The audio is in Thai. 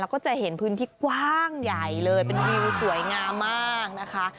แล้วก็จะเห็นพื้นที่กว้างใหญ่เลยเป็นวิวสวยงามมากนะคะ